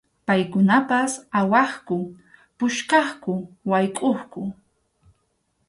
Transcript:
Paykunapas awaqku, puskaqku, waykʼuqku.